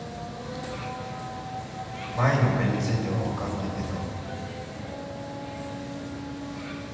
前の俺については分かんないけど。